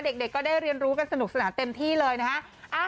เด็กก็ได้เรียนรู้กันสนุกสนานเต็มที่เลยนะฮะ